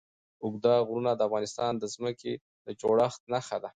اوږده غرونه د افغانستان د ځمکې د جوړښت نښه ده.